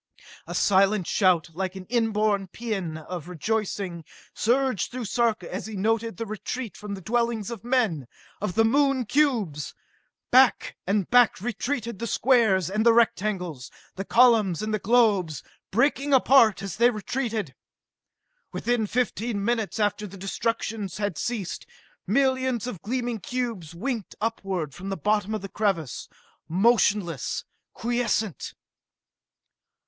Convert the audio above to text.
A silent shout, like an inborn paean of rejoicing, surged through Sarka as he noted the retreat from the dwellings of men, of the Moon cubes! Back and back retreated the squares and the rectangles, the columns and the globes, breaking apart as they retreated. Within fifteen minutes after the destruction had ceased, millions of gleaming cubes winked upward from the bottom of the crevasse motionless, quiescent!